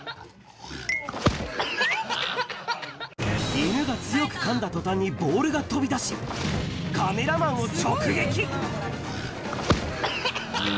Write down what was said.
犬が強くかんだとたんに、ボールが飛び出し、カメラマンを直撃。